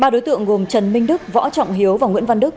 ba đối tượng gồm trần minh đức võ trọng hiếu và nguyễn văn đức